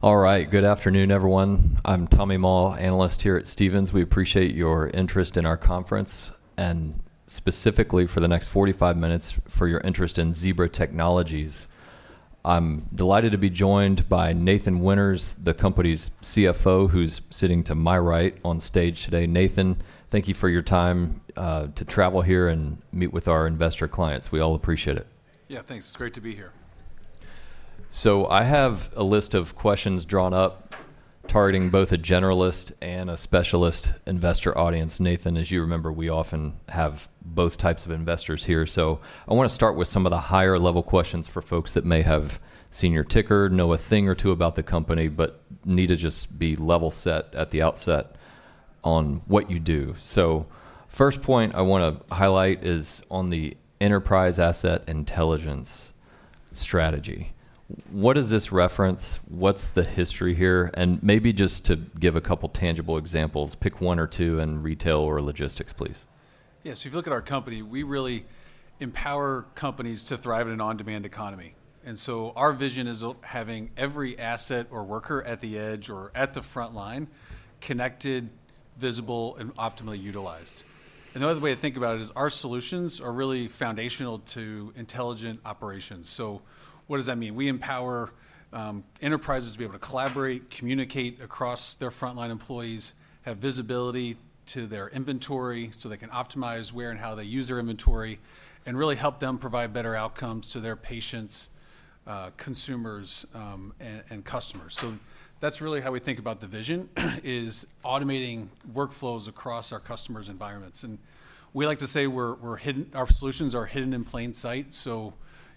All right, good afternoon, everyone. I'm Tommy Moll, analyst here at Stephens. We appreciate your interest in our conference, and specifically for the next 45 minutes, for your interest in Zebra Technologies. I'm delighted to be joined by Nathan Winters, the company's CFO, who's sitting to my right on stage today. Nathan, thank you for your time to travel here and meet with our investor clients. We all appreciate it. Yeah, thanks. It's great to be here. So I have a list of questions drawn up targeting both a generalist and a specialist investor audience. Nathan, as you remember, we often have both types of investors here. So I want to start with some of the higher-level questions for folks that may have seen your ticker, know a thing or two about the company, but need to just be level set at the outset on what you do. So first point I want to highlight is on the Enterprise Asset Intelligence strategy. What does this reference? What's the history here? And maybe just to give a couple tangible examples, pick one or two in retail or logistics, please. Yeah, so if you look at our company, we really empower companies to thrive in an on-demand economy. And so our vision is having every asset or worker at the edge or at the front line connected, visible, and optimally utilized. And the other way to think about it is our solutions are really foundational to intelligent operations. So what does that mean? We empower enterprises to be able to collaborate, communicate across their frontline employees, have visibility to their inventory so they can optimize where and how they use their inventory, and really help them provide better outcomes to their patients, consumers, and customers. So that's really how we think about the vision, is automating workflows across our customers' environments. And we like to say our solutions are hidden in plain sight.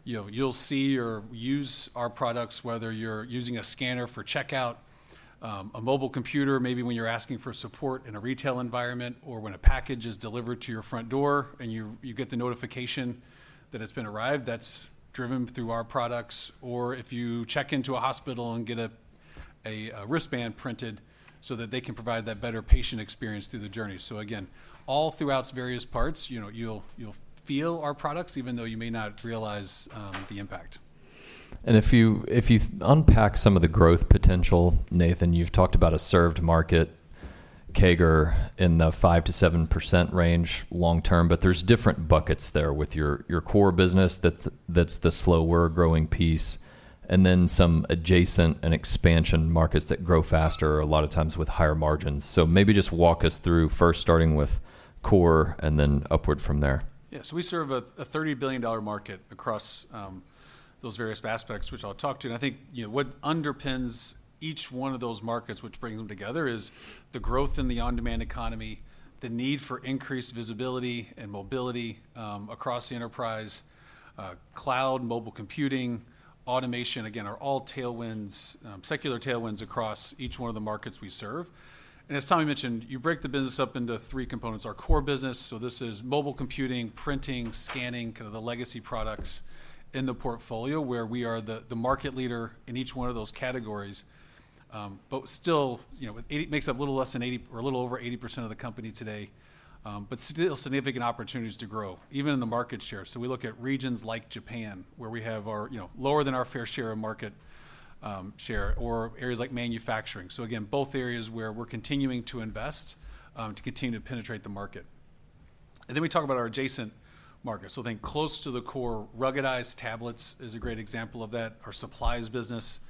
You'll see or use our products, whether you're using a scanner for checkout, a mobile computer, maybe when you're asking for support in a retail environment, or when a package is delivered to your front door and you get the notification that it's been arrived. That's driven through our products. Or if you check into a hospital and get a wristband printed so that they can provide that better patient experience through the journey. Again, all throughout various parts, you'll feel our products, even though you may not realize the impact. And if you unpack some of the growth potential, Nathan, you've talked about a served market, CAGR, in the 5%-7% range long-term, but there's different buckets there with your core business. That's the slower-growing piece. And then some adjacent and expansion markets that grow faster, a lot of times with higher margins. So maybe just walk us through first, starting with core and then upward from there. Yeah, so we serve a $30 billion market across those various aspects, which I'll talk to. And I think what underpins each one of those markets, which brings them together, is the growth in the on-demand economy, the need for increased visibility and mobility across the enterprise, cloud, mobile computing, automation, again, are all tailwinds, secular tailwinds across each one of the markets we serve. And as Tommy mentioned, you break the business up into three components. Our core business, so this is mobile computing, printing, scanning, kind of the legacy products in the portfolio, where we are the market leader in each one of those categories, but still makes up a little-less than 80% or a little-over 80% of the company today, but still significant opportunities to grow, even in the market share. So, we look at regions like Japan, where we have lower than our fair share of market share, or areas like manufacturing. So again, both areas where we're continuing to invest to continue to penetrate the market. And then we talk about our adjacent markets. So, I think close to the core, ruggedized tablets is a great example of that, our supplies business,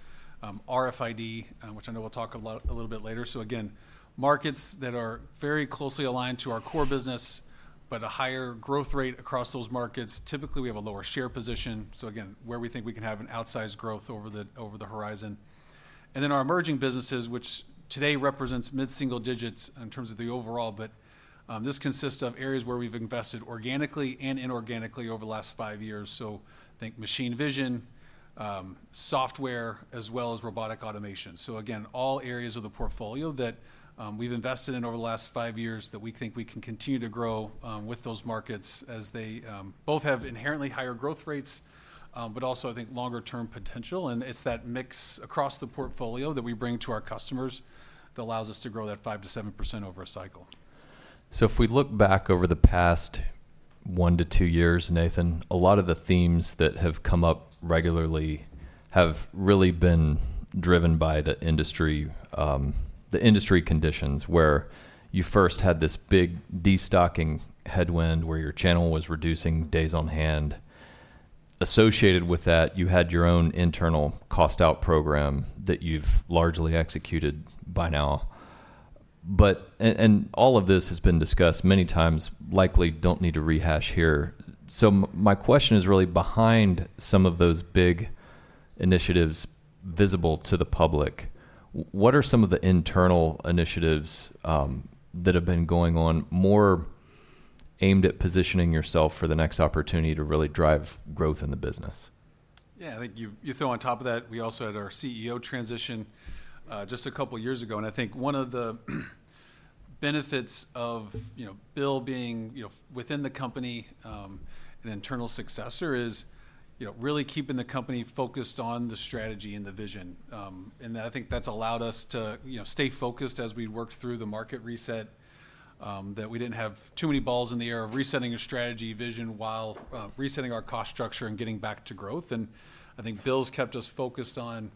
RFID, which I know we'll talk a little bit later. So again, markets that are very closely aligned to our core business, but a higher growth rate across those markets. Typically, we have a lower share position. So again, where we think we can have an outsized growth over the horizon. And then our emerging businesses, which today represents mid-single digits in terms of the overall, but this consists of areas where we've invested organically and inorganically over the last five years. So I think machine vision, software, as well as robotic automation. So again, all areas of the portfolio that we've invested in over the last five years that we think we can continue to grow with those markets as they both have inherently higher growth rates, but also, I think, longer-term potential. And it's that mix across the portfolio that we bring to our customers that allows us to grow that 5%-7% over a cycle. So if we look back over the past one to two years, Nathan, a lot of the themes that have come up regularly have really been driven by the industry conditions where you first had this big destocking headwind where your channel was reducing days on hand. Associated with that, you had your own internal cost-out program that you've largely executed by now. And all of this has been discussed many times, likely don't need to rehash here. So my question is really, behind some of those big initiatives visible to the public, what are some of the internal initiatives that have been going on, more aimed at positioning yourself for the next opportunity to really drive growth in the business? Yeah, I think you throw on top of that, we also had our CEO transition just a couple of years ago. And I think one of the benefits of Bill being within the company and internal successor is really keeping the company focused on the strategy and the vision. And I think that's allowed us to stay focused as we worked through the market reset, that we didn't have too many balls in the air of resetting a strategy vision while resetting our cost structure and getting back to growth. And I think Bill's kept us focused on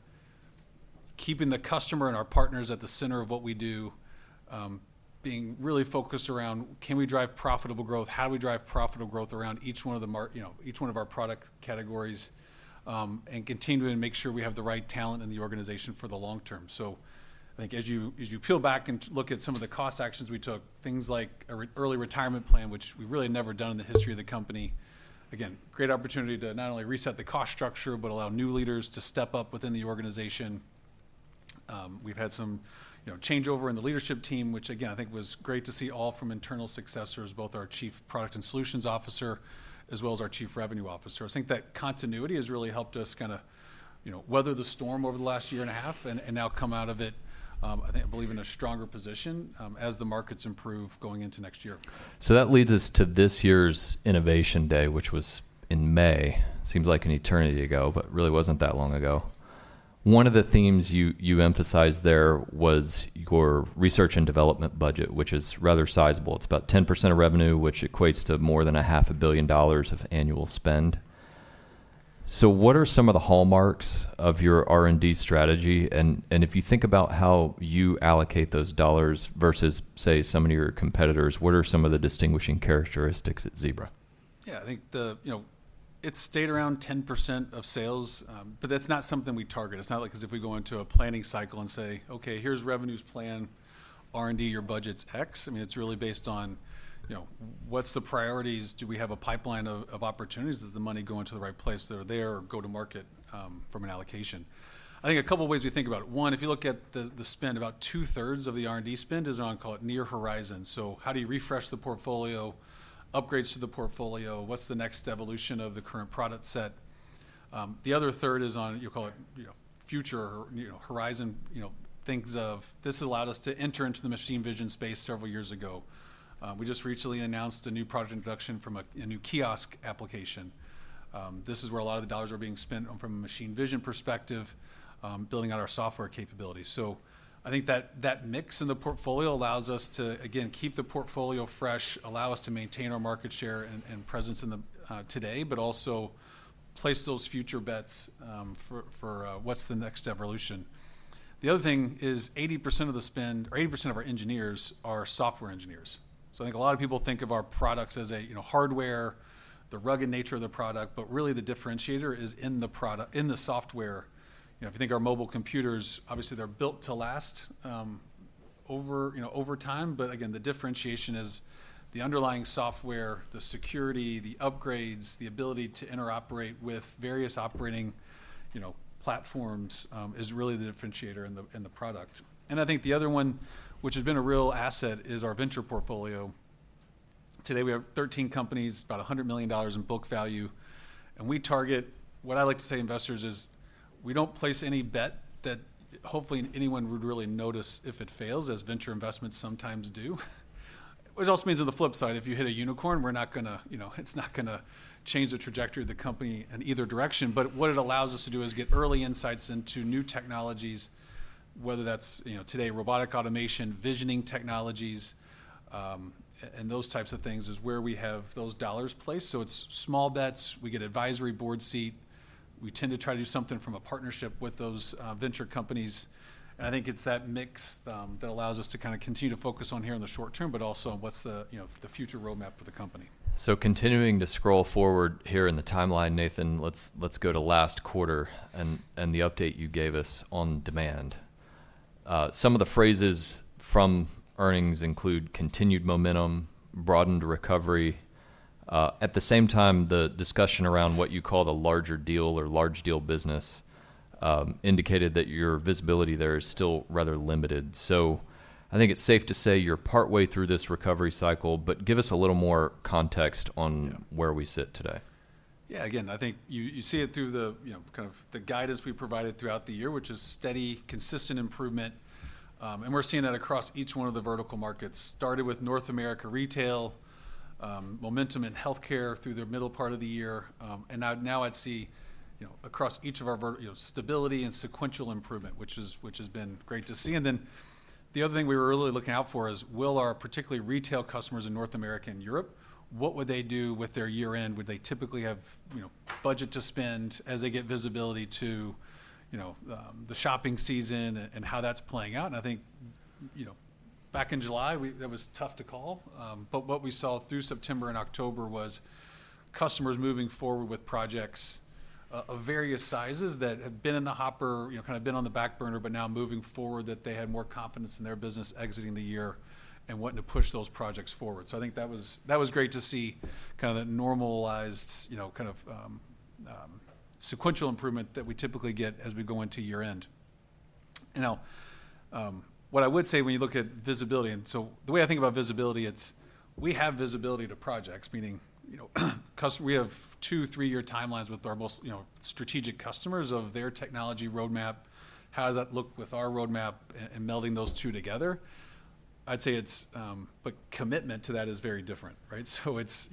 keeping the customer and our partners at the center of what we do, being really focused around, can we drive profitable growth? How do we drive profitable growth around each one of our product categories and continue to make sure we have the right talent in the organization for the long term? So I think as you peel back and look at some of the cost actions we took, things like an early retirement plan, which we've really never done in the history of the company. Again, great opportunity to not only reset the cost structure, but allow new leaders to step up within the organization. We've had some changeover in the leadership team, which again, I think was great to see all from internal successors, both our Chief Product and Solutions Officer as well as our Chief Revenue Officer. I think that continuity has really helped us kind of weather the storm over the last year and a half and now come out of it, I believe, in a stronger position as the markets improve going into next year. So that leads us to this year's Innovation Day, which was in May. Seems like an eternity ago, but really wasn't that long ago. One of the themes you emphasized there was your research and development budget, which is rather sizable. It's about 10% of revenue, which equates to more than $500 million of annual spend. So what are some of the hallmarks of your R&D strategy? And if you think about how you allocate those dollars versus, say, some of your competitors, what are some of the distinguishing characteristics at Zebra? Yeah, I think it stayed around 10% of sales, but that's not something we target. It's not like if we go into a planning cycle and say, "Okay, here's revenues plan, R&D, your budget's X." I mean, it's really based on what's the priorities? Do we have a pipeline of opportunities? Does the money go into the right place that are there or go to market from an allocation? I think a couple of ways we think about it. One, if you look at the spend, about two-thirds of the R&D spend is around, call it near horizon. So how do you refresh the portfolio, upgrades to the portfolio? What's the next evolution of the current product set? The other third is on, you call it future horizon, things like this allowed us to enter into the machine vision space several years ago. We just recently announced a new product introduction from a new kiosk application. This is where a lot of the dollars are being spent from a machine vision perspective, building out our software capabilities. So I think that mix in the portfolio allows us to, again, keep the portfolio fresh, allow us to maintain our market share and presence today, but also place those future bets for what's the next evolution. The other thing is 80% of the spend, or 80% of our engineers are software engineers. So I think a lot of people think of our products as hardware, the rugged nature of the product, but really the differentiator is in the software. If you think our mobile computers, obviously they're built to last over time, but again, the differentiation is the underlying software, the security, the upgrades, the ability to interoperate with various operating platforms is really the differentiator in the product, and I think the other one, which has been a real asset, is our venture portfolio. Today we have 13 companies, about $100 million in book value, and we target, what I like to say to investors is we don't place any bet that hopefully anyone would really notice if it fails, as venture investments sometimes do, which also means on the flip side, if you hit a unicorn, we're not going to, it's not going to change the trajectory of the company in either direction. But what it allows us to do is get early insights into new technologies, whether that's today robotic automation, vision technologies, and those types of things, is where we have those dollars placed. So it's small bets. We get advisory board seat. We tend to try to do something from a partnership with those venture companies. And I think it's that mix that allows us to kind of continue to focus on here in the short term, but also what's the future roadmap for the company. So continuing to scroll forward here in the timeline, Nathan, let's go to last quarter and the update you gave us on demand. Some of the phrases from earnings include continued momentum, broadened recovery. At the same time, the discussion around what you call the larger deal or large deal business indicated that your visibility there is still rather limited. So I think it's safe to say you're partway through this recovery cycle, but give us a little more context on where we sit today. Yeah, again, I think you see it through the kind of guidance we provided throughout the year, which is steady, consistent improvement. And we're seeing that across each one of the vertical markets, started with North America retail, momentum in healthcare through the middle part of the year. And now I'd see across each of our stability and sequential improvement, which has been great to see. And then the other thing we were really looking out for is, will our particularly retail customers in North America and Europe, what would they do with their year-end? Would they typically have budget to spend as they get visibility to the shopping season and how that's playing out? And I think back in July, that was tough to call. But what we saw through September and October was customers moving forward with projects of various sizes that had been in the hopper, kind of been on the back burner, but now moving forward that they had more confidence in their business exiting the year and wanting to push those projects forward, so I think that was great to see kind of that normalized kind of sequential improvement that we typically get as we go into year-end. Now, what I would say when you look at visibility, and so the way I think about visibility, it's we have visibility to projects, meaning we have two, three-year timelines with our most strategic customers of their technology roadmap. How does that look with our roadmap and melding those two together? I'd say it's, but commitment to that is very different, right? So it's,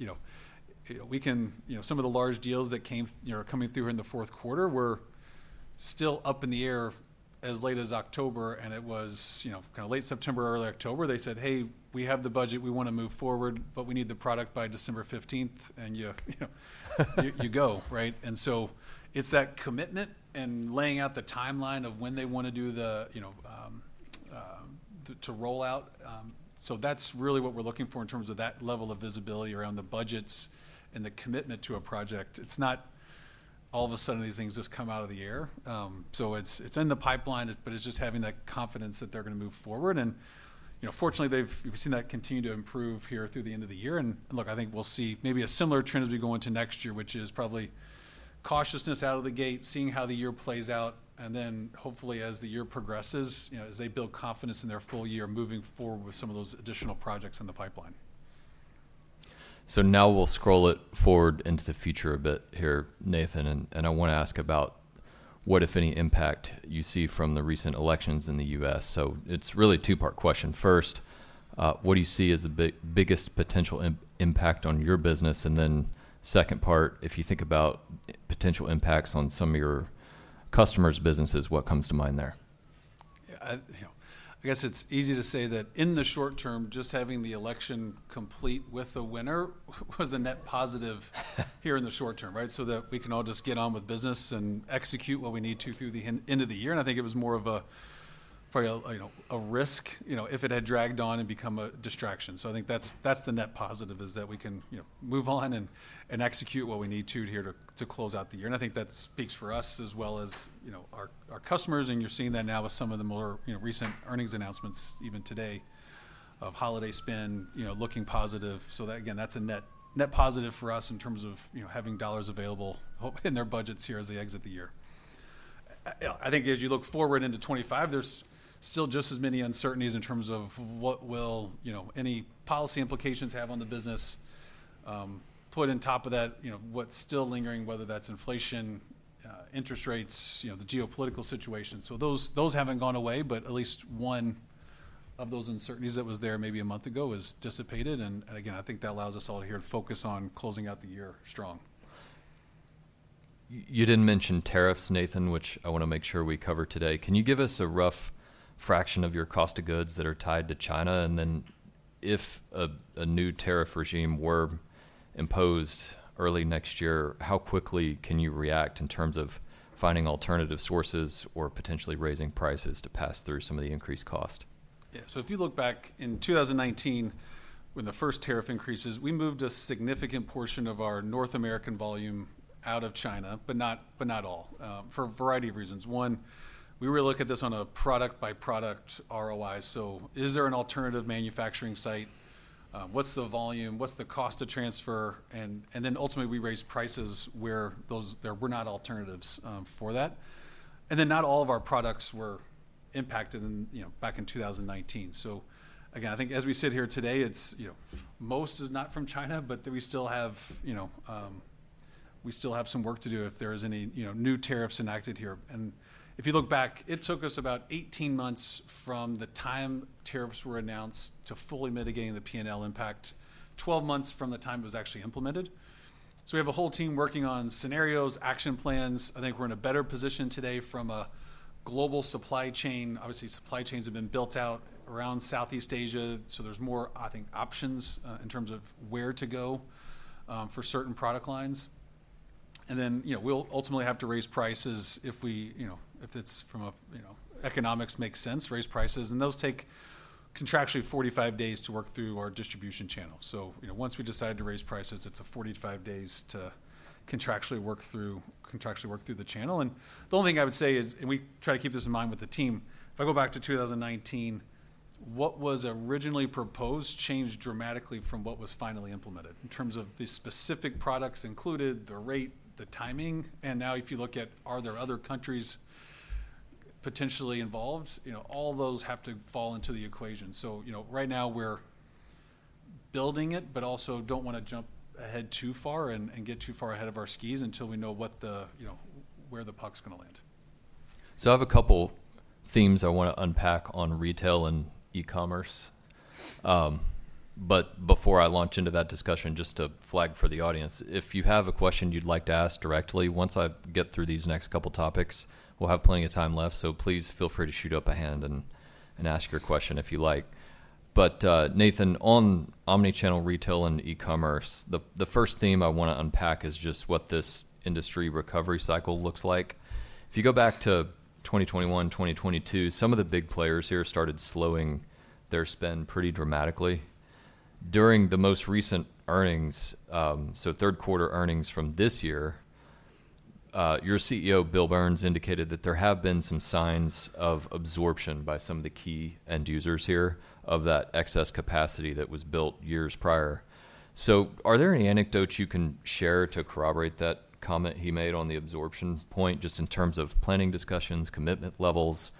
we can see some of the large deals that are coming through here in the fourth quarter. We're still up in the air as late as October, and it was kind of late September, early October. They said, "Hey, we have the budget. We want to move forward, but we need the product by December 15th," and you go, right? And so it's that commitment and laying out the timeline of when they want to do the rollout. So that's really what we're looking for in terms of that level of visibility around the budgets and the commitment to a project. It's not all of a sudden these things just come out of the air. So it's in the pipeline, but it's just having that confidence that they're going to move forward. And fortunately, we've seen that continue to improve here through the end of the year. And look, I think we'll see maybe a similar trend as we go into next year, which is probably cautiousness out of the gate, seeing how the year plays out, and then hopefully as the year progresses, as they build confidence in their full year moving forward with some of those additional projects in the pipeline. So now we'll scroll it forward into the future a bit here, Nathan, and I want to ask about what, if any, impact you see from the recent elections in the U.S. So it's really a two-part question. First, what do you see as the biggest potential impact on your business? And then second part, if you think about potential impacts on some of your customers' businesses, what comes to mind there? Yeah, I guess it's easy to say that in the short term, just having the election complete with a winner was a net positive here in the short term, right? So that we can all just get on with business and execute what we need to through the end of the year. And I think it was more of a probably risk if it had dragged on and become a distraction. So I think that's the net positive is that we can move on and execute what we need to here to close out the year. And I think that speaks for us as well as our customers. And you're seeing that now with some of the more recent earnings announcements, even today, of holiday spend, looking positive. So that, again, that's a net positive for us in terms of having dollars available in their budgets here as they exit the year. I think as you look forward into 2025, there's still just as many uncertainties in terms of what will any policy implications have on the business. Put on top of that, what's still lingering, whether that's inflation, interest rates, the geopolitical situation. So those haven't gone away, but at least one of those uncertainties that was there maybe a month ago has dissipated. And again, I think that allows us all here to focus on closing out the year strong. You didn't mention tariffs, Nathan, which I want to make sure we cover today. Can you give us a rough fraction of your cost of goods that are tied to China? And then if a new tariff regime were imposed early next year, how quickly can you react in terms of finding alternative sources or potentially raising prices to pass through some of the increased cost? Yeah, so if you look back in 2019, when the first tariff increases, we moved a significant portion of our North American volume out of China, but not all, for a variety of reasons. One, we really look at this on a product-by-product ROI. So is there an alternative manufacturing site? What's the volume? What's the cost to transfer? And then ultimately we raised prices where those were not alternatives for that. And then not all of our products were impacted back in 2019. So again, I think as we sit here today, most is not from China, but we still have some work to do if there is any new tariffs enacted here. And if you look back, it took us about 18 months from the time tariffs were announced to fully mitigating the P&L impact, 12 months from the time it was actually implemented. We have a whole team working on scenarios, action plans. I think we're in a better position today from a global supply chain. Obviously, supply chains have been built out around Southeast Asia. There's more, I think, options in terms of where to go for certain product lines. Then we'll ultimately have to raise prices if it doesn't make economic sense, raise prices. Those take contractually 45 days to work through our distribution channel. Once we decide to raise prices, it's 45 days to contractually work through the channel. The only thing I would say is, we try to keep this in mind with the team, if I go back to 2019, what was originally proposed changed dramatically from what was finally implemented in terms of the specific products included, the rate, the timing. And now if you look at are there other countries potentially involved, all those have to fall into the equation. So right now we're building it, but also don't want to jump ahead too far and get too far ahead of our skis until we know where the puck's going to land. I have a couple of themes I want to unpack on retail and e-commerce. But before I launch into that discussion, just to flag for the audience, if you have a question you'd like to ask directly, once I get through these next couple of topics, we'll have plenty of time left. So please feel free to put up a hand and ask your question if you like. But Nathan, on omnichannel retail and e-commerce, the first theme I want to unpack is just what this industry recovery cycle looks like. If you go back to 2021, 2022, some of the big players here started slowing their spend pretty dramatically. During the most recent earnings, so third quarter earnings from this year, your CEO, Bill Burns, indicated that there have been some signs of absorption by some of the key end users here of that excess capacity that was built years prior. So are there any anecdotes you can share to corroborate that comment he made on the absorption point just in terms of planning discussions, commitment levels,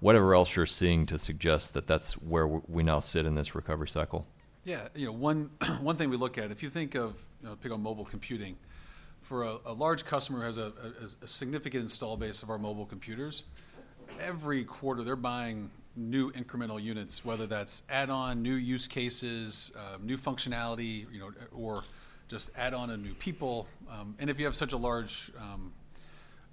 whatever else you're seeing to suggest that that's where we now sit in this recovery cycle? Yeah, one thing we look at, if you think of, pick on mobile computing, for a large customer who has a significant installed base of our mobile computers, every quarter they're buying new incremental units, whether that's add-on, new use cases, new functionality, or just add-on and new people. And if you have such a large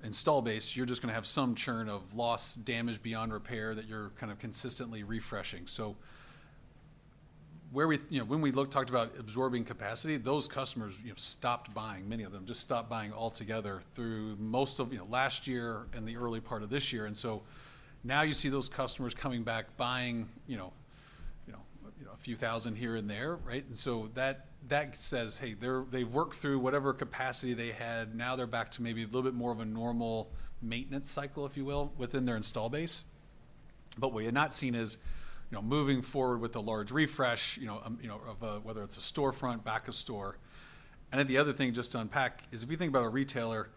installed base, you're just going to have some churn of loss, damage beyond repair that you're kind of consistently refreshing. So when we talked about absorbing capacity, those customers stopped buying, many of them just stopped buying altogether through most of last year and the early part of this year. And so now you see those customers coming back buying a few thousand here and there, right? And so that says, hey, they've worked through whatever capacity they had. Now they're back to maybe a little bit more of a normal maintenance cycle, if you will, within their installed base. But what you're not seeing is moving forward with a large refresh of whether it's a storefront, back of store. And then the other thing just to unpack is if we think about a retailer,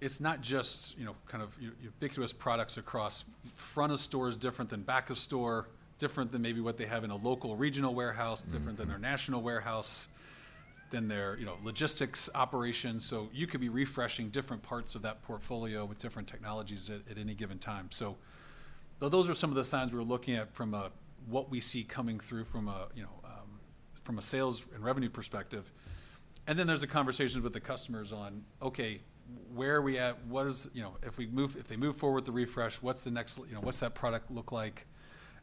it's not just kind of ubiquitous products across front of store is different than back of store, different than maybe what they have in a local regional warehouse, different than their national warehouse, then their logistics operations. So you could be refreshing different parts of that portfolio with different technologies at any given time. So those are some of the signs we're looking at from what we see coming through from a sales and revenue perspective. And then there's the conversations with the customers on, okay, where are we at? If they move forward with the refresh, what's that product look like,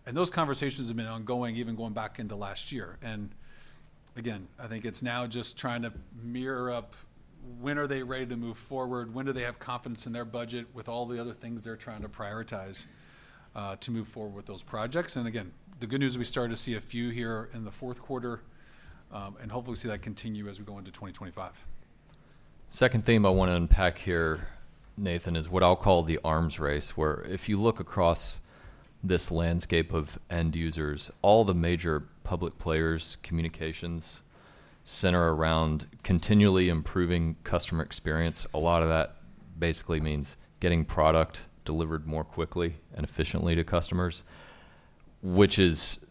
and those conversations have been ongoing, even going back into last year, and again, I think it's now just trying to mirror up when are they ready to move forward, when do they have confidence in their budget with all the other things they're trying to prioritize to move forward with those projects, and again, the good news is we started to see a few here in the fourth quarter, and hopefully we see that continue as we go into 2025. Second theme I want to unpack here, Nathan, is what I'll call the arms race, where if you look across this landscape of end users, all the major public players, communications center around continually improving customer experience. A lot of that basically means getting product delivered more quickly and efficiently to customers, which is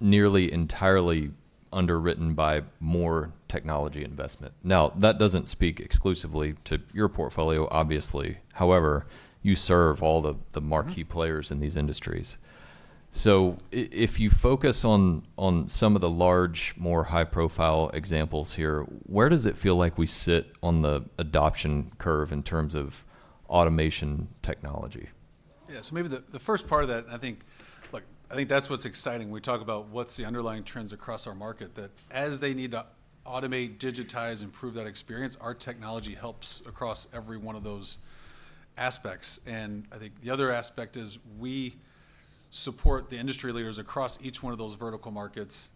nearly entirely underwritten by more technology investment. Now, that doesn't speak exclusively to your portfolio, obviously. However, you serve all the marquee players in these industries. So if you focus on some of the large, more high-profile examples here, where does it feel like we sit on the adoption curve in terms of automation technology? Yeah, so maybe the first part of that, and I think, look, I think that's what's exciting. We talk about what's the underlying trends across our market, that as they need to automate, digitize, improve that experience, our technology helps across every one of those aspects. And I think the other aspect is we support the industry leaders across each one of those vertical markets.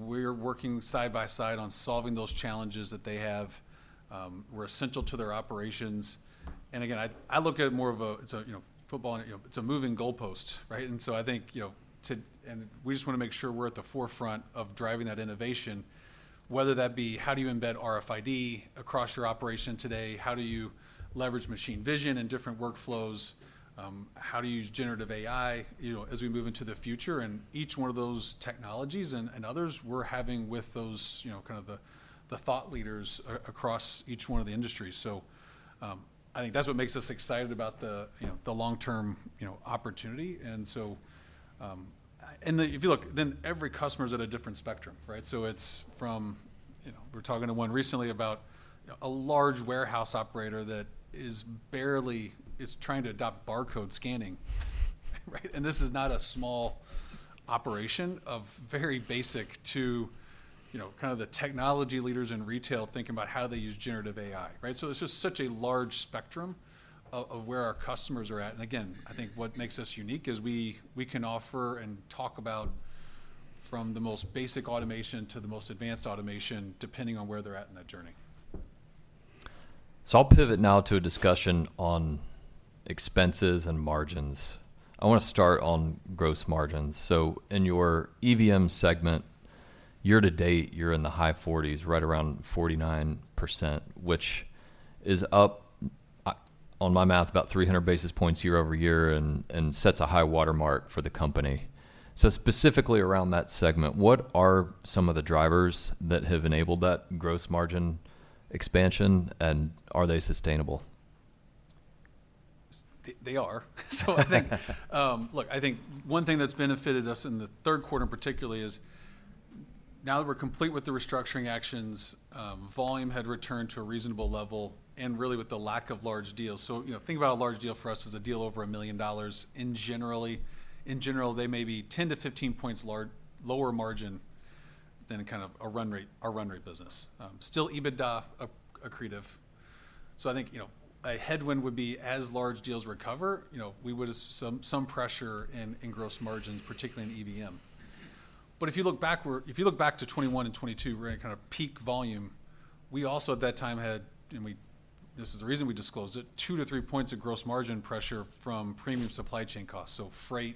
We're working side by side on solving those challenges that they have. We're essential to their operations. And again, I look at it more of a, it's a football, it's a moving goalpost, right? And so I think, and we just want to make sure we're at the forefront of driving that innovation, whether that be how do you embed RFID across your operation today, how do you leverage machine vision in different workflows, how do you use generative AI as we move into the future, and each one of those technologies and others we're having with those kind of the thought leaders across each one of the industries. So I think that's what makes us excited about the long-term opportunity. And so, if you look, then every customer is at a different spectrum, right? So it's from, we were talking to one recently about a large warehouse operator that is barely trying to adopt barcode scanning, right? And this is not a small operation of very basic to kind of the technology leaders in retail thinking about how they use Generative AI, right? So it's just such a large spectrum of where our customers are at. And again, I think what makes us unique is we can offer and talk about from the most basic automation to the most advanced automation, depending on where they're at in that journey. So I'll pivot now to a discussion on expenses and margins. I want to start on gross margins. So in your EVM segment, year to date, you're in the high 40s, right around 49%, which is up on my math about 300 basis points year over year and sets a high watermark for the company. So specifically around that segment, what are some of the drivers that have enabled that gross margin expansion, and are they sustainable? They are, so I think, look, I think one thing that's benefited us in the third quarter in particular is, now that we're complete with the restructuring actions, volume had returned to a reasonable level and really with the lack of large deals. So think about a large deal for us as a deal over $1 million. In general, they may be 10-15 points lower margin than kind of our run rate business. Still EBITDA accretive, so I think a headwind would be, as large deals recover, we would have some pressure in gross margins, particularly in EVM, but if you look back, if you look back to 2021 and 2022, we're in kind of peak volume. We also at that time had, and this is the reason we disclosed it, two-three points of gross margin pressure from premium supply chain costs. So, freight.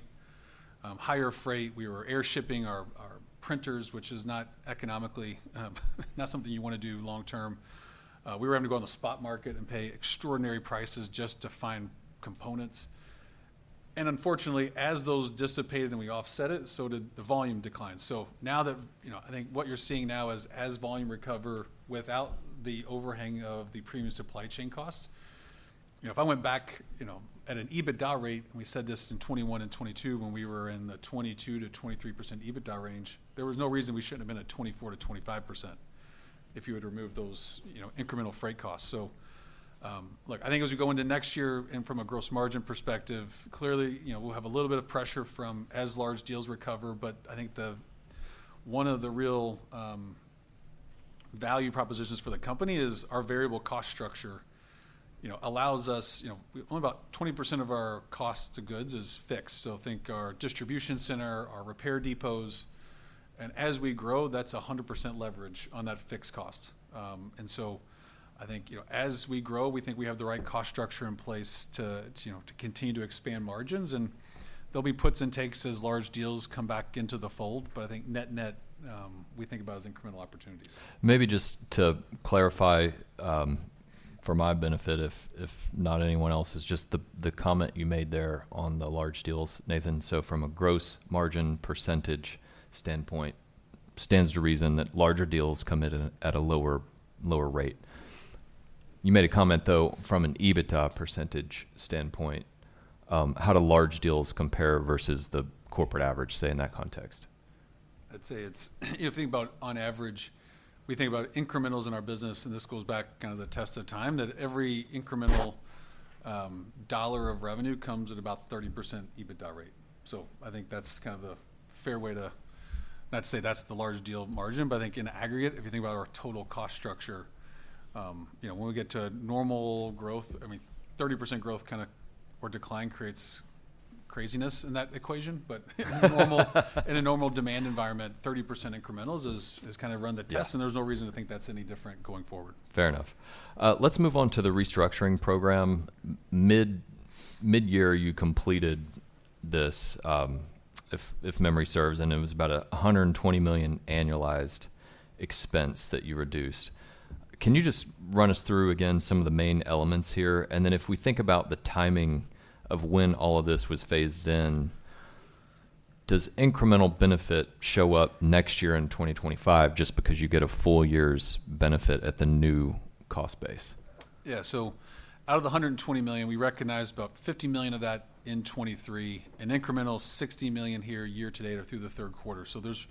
Higher freight. We were airshipping our printers, which is not economically not something you want to do long term. We were having to go on the spot market and pay extraordinary prices just to find components. And unfortunately, as those dissipated and we offset it, so did the volume decline. Now that I think what you're seeing now is as volume recover without the overhang of the premium supply chain costs, if I went back at an EBITDA rate, and we said this in 2021 and 2022 when we were in the 22%-23% EBITDA range, there was no reason we shouldn't have been at 24%-25% if you had removed those incremental freight costs. Look, I think as we go into next year and from a gross margin perspective, clearly we'll have a little bit of pressure from as large deals recover. But I think one of the real value propositions for the company is our variable cost structure allows us only about 20% of our cost of goods is fixed. So think of our distribution center, our repair depots. And as we grow, that's 100% leverage on that fixed cost. And so I think as we grow, we think we have the right cost structure in place to continue to expand margins. And there'll be puts and takes as large deals come back into the fold. But I think net net, we think of it as incremental opportunities. Maybe just to clarify for my benefit, if not anyone else, is just the comment you made there on the large deals, Nathan. So from a gross margin percentage standpoint, stands to reason that larger deals come in at a lower rate. You made a comment though from an EBITDA percentage standpoint, how do large deals compare versus the corporate average, say in that context? I'd say it's if you think about on average, we think about incrementals in our business, and this goes back kind of the test of time that every incremental dollar of revenue comes at about 30% EBITDA rate. So I think that's kind of a fair way to not to say that's the large deal margin, but I think in aggregate, if you think about our total cost structure, when we get to normal growth, I mean, 30% growth kind of or decline creates craziness in that equation. But in a normal demand environment, 30% incrementals has kind of run the test, and there's no reason to think that's any different going forward. Fair enough. Let's move on to the restructuring program. Mid-year, you completed this, if memory serves, and it was about a $120 million annualized expense that you reduced. Can you just run us through again some of the main elements here? And then if we think about the timing of when all of this was phased in, does incremental benefit show up next year in 2025 just because you get a full year's benefit at the new cost base? Yeah, so out of the $120 million, we recognize about $50 million of that in 2023, an incremental $60 million here year to date or through the third quarter. So there's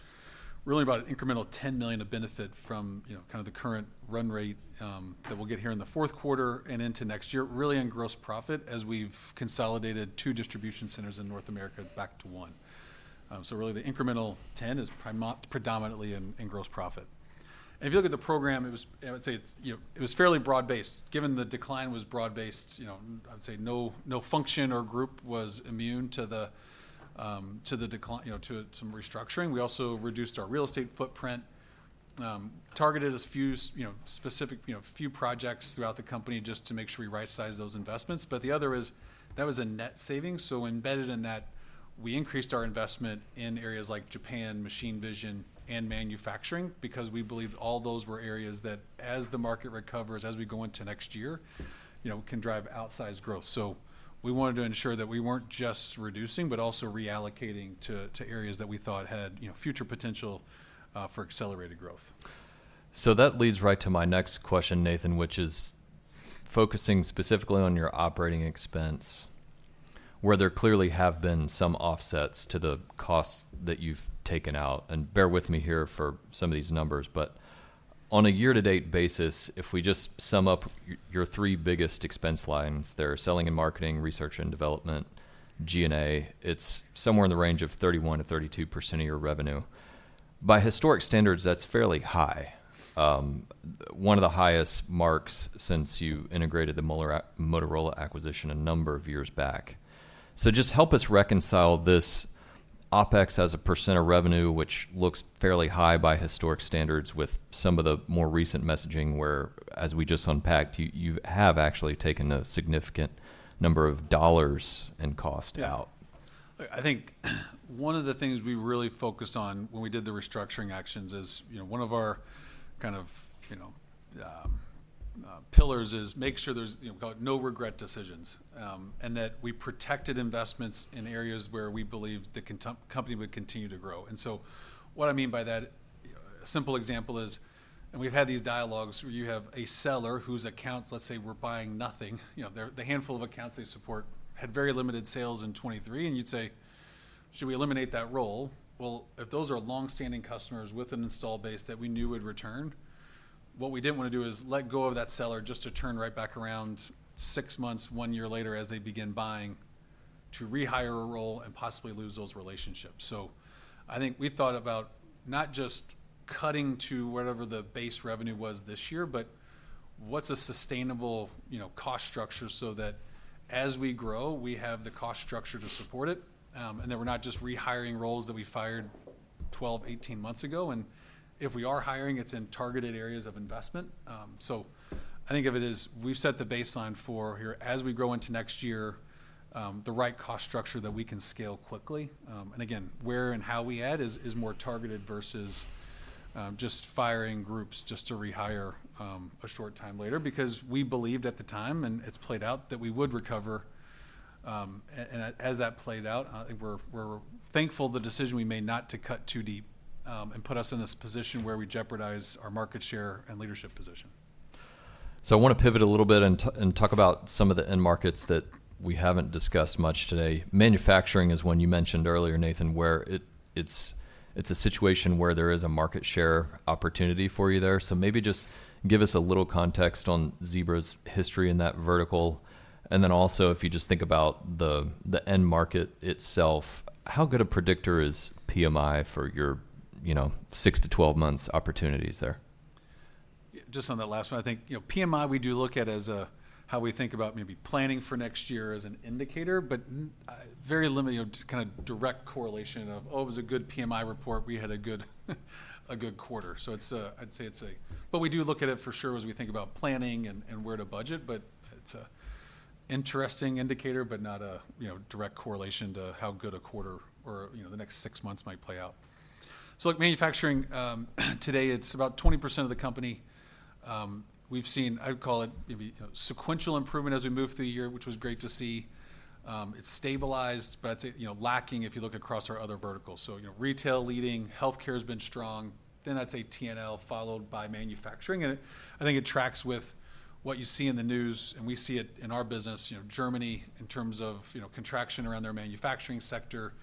really about an incremental $10 million of benefit from kind of the current run rate that we'll get here in the fourth quarter and into next year, really in gross profit as we've consolidated two distribution centers in North America back to one. So really the incremental $10 million is predominantly in gross profit. And if you look at the program, I would say it was fairly broad-based. Given the decline was broad-based, I would say no function or group was immune to the decline to some restructuring. We also reduced our real estate footprint, targeted a few specific projects throughout the company just to make sure we right-size those investments. But the other is that was a net saving. So embedded in that, we increased our investment in areas like Japan, machine vision, and manufacturing because we believed all those were areas that as the market recovers, as we go into next year, can drive outsized growth. So we wanted to ensure that we weren't just reducing, but also reallocating to areas that we thought had future potential for accelerated growth. So that leads right to my next question, Nathan, which is focusing specifically on your operating expense, where there clearly have been some offsets to the costs that you've taken out. And bear with me here for some of these numbers, but on a year-to-date basis, if we just sum up your three biggest expense lines there, selling and marketing, research and development, G&A, it's somewhere in the range of 31%-32% of your revenue. By historic standards, that's fairly high, one of the highest marks since you integrated the Motorola acquisition a number of years back. So just help us reconcile this OpEx as a % of revenue, which looks fairly high by historic standards with some of the more recent messaging where, as we just unpacked, you have actually taken a significant number of dollars in cost out. I think one of the things we really focused on when we did the restructuring actions is one of our kind of pillars is make sure there's no-regret decisions and that we protected investments in areas where we believe the company would continue to grow, and so what I mean by that, a simple example is, and we've had these dialogues where you have a seller whose accounts, let's say we're buying nothing, the handful of accounts they support had very limited sales in 2023, and you'd say, should we eliminate that role, well, if those are long-standing customers with an installed base that we knew would return, what we didn't want to do is let go of that seller just to turn right back around six months, one year later as they begin buying to rehire a role and possibly lose those relationships. So I think we thought about not just cutting to whatever the base revenue was this year, but what's a sustainable cost structure so that as we grow, we have the cost structure to support it and that we're not just rehiring roles that we fired 12, 18 months ago. And if we are hiring, it's in targeted areas of investment. So I think of it as we've set the baseline for here as we grow into next year, the right cost structure that we can scale quickly. And again, where and how we add is more targeted versus just firing groups just to rehire a short time later because we believed at the time and it's played out that we would recover. As that played out, I think we're thankful the decision we made not to cut too deep and put us in this position where we jeopardize our market share and leadership position. So I want to pivot a little bit and talk about some of the end markets that we haven't discussed much today. Manufacturing is one you mentioned earlier, Nathan, where it's a situation where there is a market share opportunity for you there. So maybe just give us a little context on Zebra's history in that vertical. And then also if you just think about the end market itself, how good a predictor is PMI for your 6 to 12 months opportunities there? Just on that last one, I think PMI we do look at as a how we think about maybe planning for next year as an indicator, but very limited kind of direct correlation of, oh, it was a good PMI report, we had a good quarter. So I'd say it's a, but we do look at it for sure as we think about planning and where to budget, but it's an interesting indicator, but not a direct correlation to how good a quarter or the next six months might play out. So look, manufacturing today, it's about 20% of the company. We've seen, I'd call it maybe sequential improvement as we move through the year, which was great to see. It's stabilized, but I'd say lacking if you look across our other verticals. So retail leading, healthcare has been strong, then I'd say T&L followed by manufacturing. And I think it tracks with what you see in the news, and we see it in our business, Germany in terms of contraction around their manufacturing sector.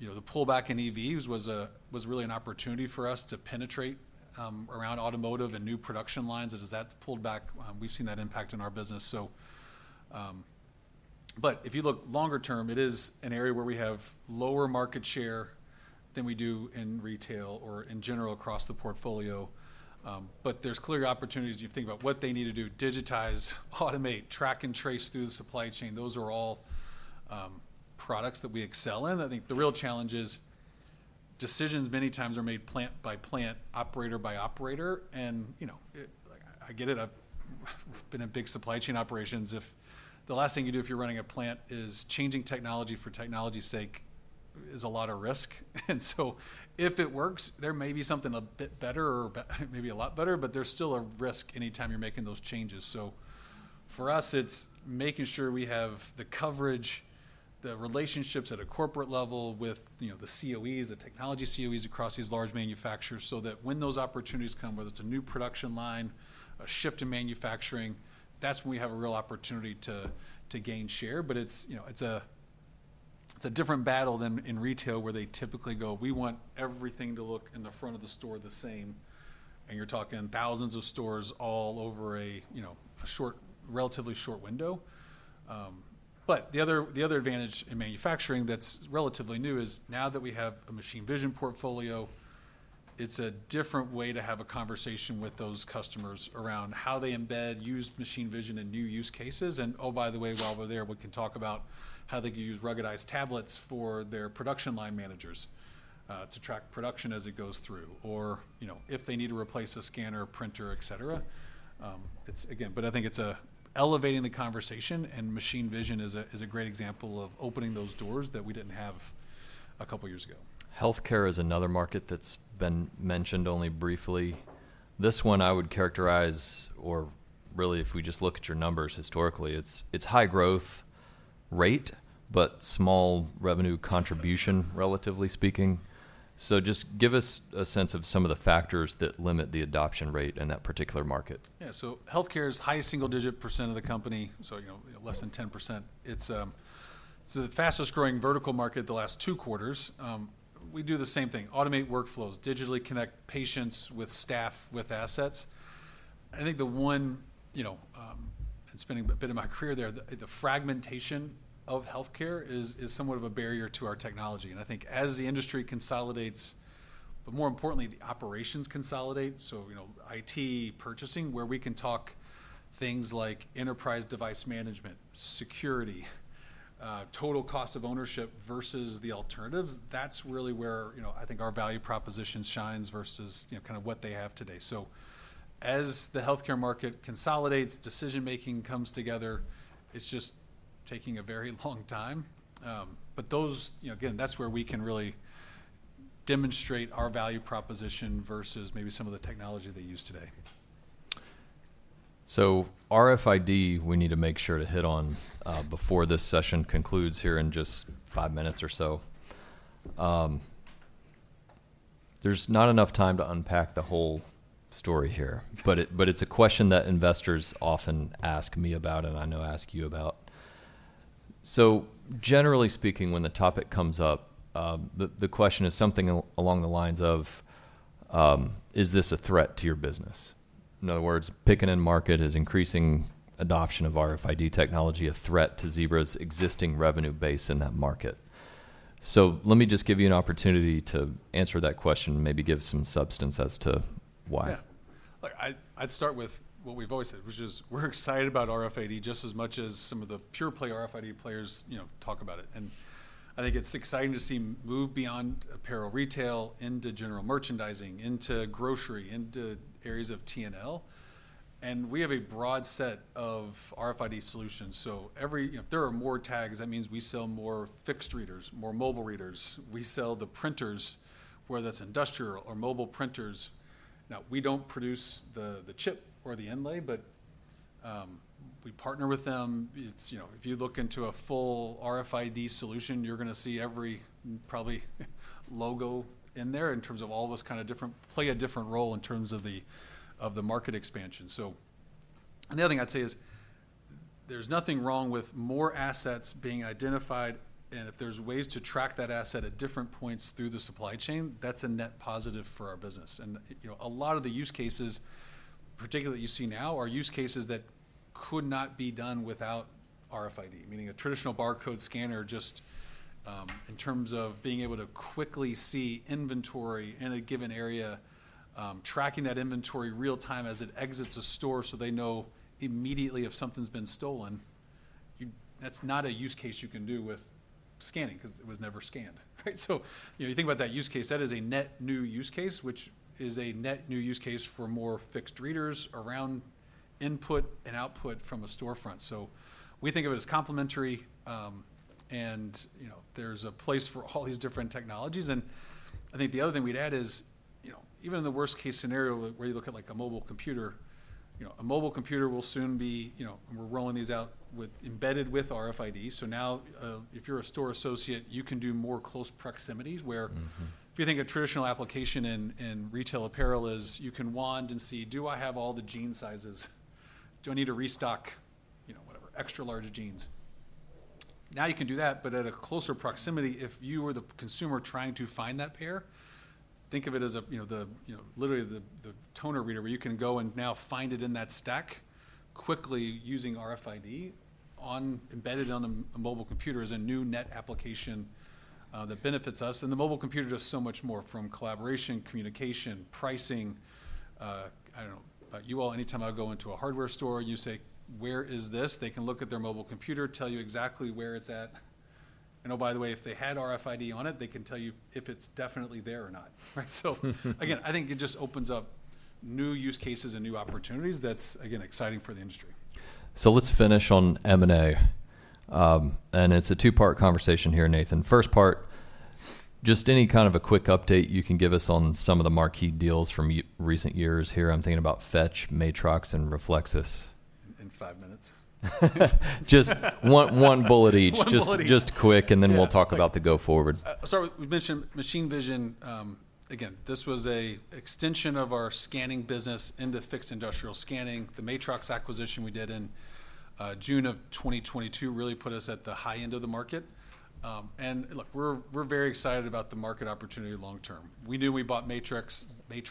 The pullback in EVs was really an opportunity for us to penetrate around automotive and new production lines. As that's pulled back, we've seen that impact in our business. But if you look longer term, it is an area where we have lower market share than we do in retail or in general across the portfolio. But there's clear opportunities if you think about what they need to do, digitize, automate, track and trace through the supply chain. Those are all products that we excel in. I think the real challenge is decisions many times are made plant by plant, operator by operator. And I get it, I've been in big supply chain operations. The last thing you do if you're running a plant is changing technology for technology's sake, is a lot of risk. And so if it works, there may be something a bit better or maybe a lot better, but there's still a risk anytime you're making those changes. So for us, it's making sure we have the coverage, the relationships at a corporate level with the COEs, the technology COEs across these large manufacturers so that when those opportunities come, whether it's a new production line, a shift in manufacturing, that's when we have a real opportunity to gain share. But it's a different battle than in retail where they typically go, "We want everything to look in the front of the store the same." And you're talking thousands of stores all over a relatively short window. But the other advantage in manufacturing that's relatively new is now that we have a machine vision portfolio. It's a different way to have a conversation with those customers around how they embed, use machine vision in new use cases. And oh, by the way, while we're there, we can talk about how they can use ruggedized tablets for their production line managers to track production as it goes through. Or if they need to replace a scanner, printer, et cetera. Again, but I think it's elevating the conversation, and machine vision is a great example of opening those doors that we didn't have a couple of years ago. Healthcare is another market that's been mentioned only briefly. This one I would characterize or really if we just look at your numbers historically, it's high growth rate, but small revenue contribution, relatively speaking. So just give us a sense of some of the factors that limit the adoption rate in that particular market. Yeah, so healthcare is high single-digit % of the company, so less than 10%. It's the fastest growing vertical market the last two quarters. We do the same thing, automate workflows, digitally connect patients with staff with assets. I think the one, and spending a bit of my career there, the fragmentation of healthcare is somewhat of a barrier to our technology. And I think as the industry consolidates, but more importantly, the operations consolidate, so IT, purchasing, where we can talk things like enterprise device management, security, total cost of ownership versus the alternatives, that's really where I think our value proposition shines versus kind of what they have today. So as the healthcare market consolidates, decision-making comes together, it's just taking a very long time. But those, again, that's where we can really demonstrate our value proposition versus maybe some of the technology they use today. So, RFID, we need to make sure to hit on before this session concludes here in just five minutes or so. There's not enough time to unpack the whole story here, but it's a question that investors often ask me about and I know they ask you about. So generally speaking, when the topic comes up, the question is something along the lines of, is this a threat to your business? In other words, is increasing adoption of RFID technology in the picking market a threat to Zebra's existing revenue base in that market. So let me just give you an opportunity to answer that question, maybe give some substance as to why. Yeah. I'd start with what we've always said, which is we're excited about RFID just as much as some of the pure-play RFID players talk about it. And I think it's exciting to see move beyond apparel retail into general merchandising, into grocery, into areas of T&L. And we have a broad set of RFID solutions. So if there are more tags, that means we sell more fixed readers, more mobile readers. We sell the printers, whether that's industrial or mobile printers. Now, we don't produce the chip or the inlay, but we partner with them. If you look into a full RFID solution, you're going to see every probably logo in there in terms of all those kind of different play a different role in terms of the market expansion. So the other thing I'd say is there's nothing wrong with more assets being identified. And if there's ways to track that asset at different points through the supply chain, that's a net positive for our business. And a lot of the use cases, particularly that you see now, are use cases that could not be done without RFID, meaning a traditional barcode scanner just in terms of being able to quickly see inventory in a given area, tracking that inventory real-time as it exits a store so they know immediately if something's been stolen. That's not a use case you can do with scanning because it was never scanned. So you think about that use case, that is a net new use case, which is a net new use case for more fixed readers around input and output from a storefront. So we think of it as complementary. And there's a place for all these different technologies. I think the other thing we'd add is even in the worst-case scenario where you look at like a mobile computer. A mobile computer will soon be, and we're rolling these out embedded with RFID. So now if you're a store associate, you can do more close proximities where if you think a traditional application in retail apparel is you can wand and see, do I have all the jean sizes? Do I need to restock whatever extra large jeans? Now you can do that, but at a closer proximity if you were the consumer trying to find that pair. Think of it as literally the RFID reader where you can go and now find it in that stack quickly using RFID embedded on a mobile computer as a net new application that benefits us. The mobile computer does so much more from collaboration, communication, pricing. I don't know about you all. Anytime I go into a hardware store, you say, "Where is this?" They can look at their mobile computer, tell you exactly where it's at. And oh, by the way, if they had RFID on it, they can tell you if it's definitely there or not. So again, I think it just opens up new use cases and new opportunities that's, again, exciting for the industry. So, let's finish on M&A. And it's a two-part conversation here, Nathan. First part, just any kind of a quick update you can give us on some of the marquee deals from recent years here. I'm thinking about Fetch, Matrox, and Reflexis. In five minutes. Just one bullet each, just quick, and then we'll talk about the go forward. Sorry, we mentioned machine vision. Again, this was an extension of our scanning business into fixed industrial scanning. The Matrox acquisition we did in June of 2022 really put us at the high end of the market, and look, we're very excited about the market opportunity long term. We knew we bought Matrox. They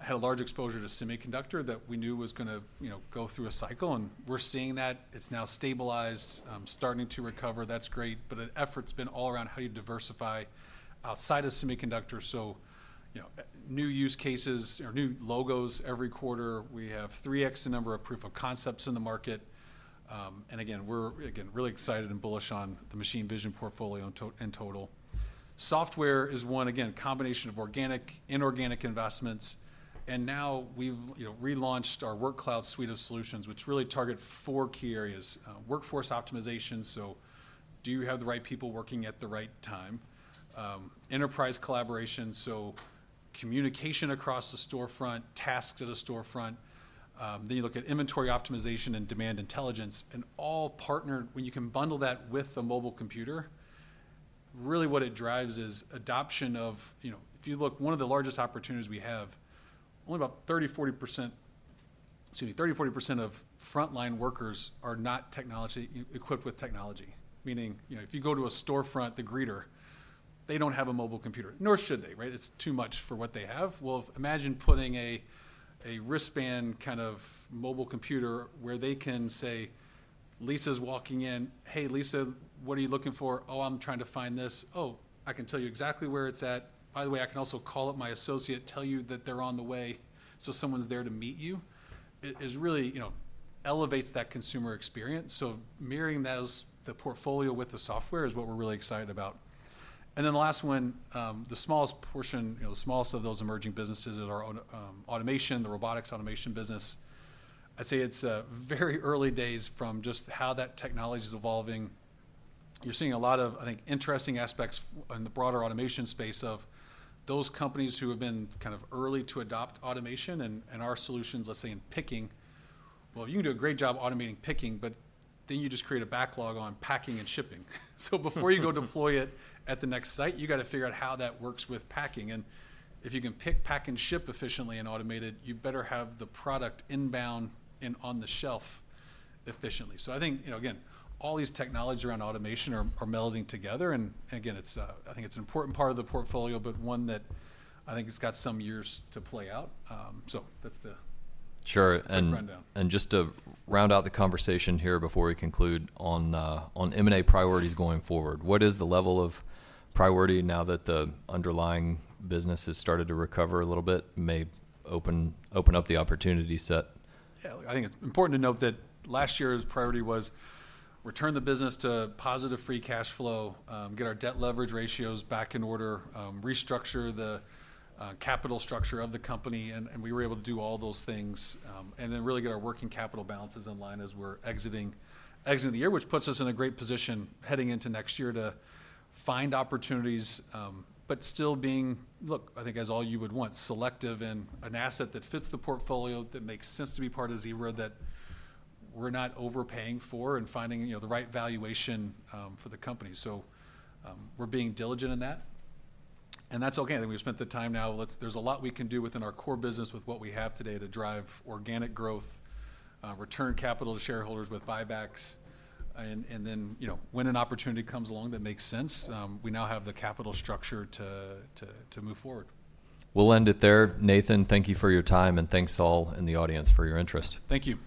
had a large exposure to semiconductor that we knew was going to go through a cycle, and we're seeing that. It's now stabilized, starting to recover. That's great, but the effort's been all around how do you diversify outside of semiconductor, so new use cases or new logos every quarter. We have 3X the number of proof of concepts in the market, and again, we're really excited and bullish on the machine vision portfolio in total. Software is one, again, combination of organic, inorganic investments. And now we've relaunched our Workcloud suite of solutions, which really target four key areas: workforce optimization, so do you have the right people working at the right time, enterprise collaboration, so communication across the storefront, tasks at a storefront. Then you look at inventory optimization and demand intelligence. And all partnered, when you can bundle that with a mobile computer, really what it drives is adoption of, if you look, one of the largest opportunities we have, only about 30%-40% of frontline workers are not equipped with technology. Meaning if you go to a storefront, the greeter, they don't have a mobile computer, nor should they, right? It's too much for what they have. Well, imagine putting a wristband kind of mobile computer where they can say, Lisa's walking in. "Hey, Lisa, what are you looking for?" "Oh, I'm trying to find this." "Oh, I can tell you exactly where it's at." By the way, I can also call up my associate, tell you that they're on the way. So someone's there to meet you. It really elevates that consumer experience. So mirroring the portfolio with the software is what we're really excited about. And then the last one, the smallest portion, the smallest of those emerging businesses is our automation, the robotics automation business. I'd say it's very early days from just how that technology is evolving. You're seeing a lot of, I think, interesting aspects in the broader automation space of those companies who have been kind of early to adopt automation and our solutions, let's say in picking. You can do a great job automating picking, but then you just create a backlog on packing and shipping. So before you go deploy it at the next site, you got to figure out how that works with packing. And if you can pick, pack, and ship efficiently and automated, you better have the product inbound and on the shelf efficiently. So I think, again, all these technologies around automation are melding together. And again, I think it's an important part of the portfolio, but one that I think has got some years to play out. So that's the big rundown. Sure. And just to round out the conversation here before we conclude on M&A priorities going forward, what is the level of priority now that the underlying business has started to recover a little bit, may open up the opportunity set? Yeah, I think it's important to note that last year's priority was return the business to positive free cash flow, get our debt leverage ratios back in order, restructure the capital structure of the company, and we were able to do all those things and then really get our working capital balances in line as we're exiting the year, which puts us in a great position heading into next year to find opportunities, but still being, look, I think as all you would want, selective in an asset that fits the portfolio that makes sense to be part of Zebra that we're not overpaying for and finding the right valuation for the company, so we're being diligent in that, and that's okay. I think we've spent the time now. There's a lot we can do within our core business with what we have today to drive organic growth, return capital to shareholders with buybacks, and then when an opportunity comes along that makes sense, we now have the capital structure to move forward. We'll end it there. Nathan, thank you for your time, and thanks to all in the audience for your interest. Thank you.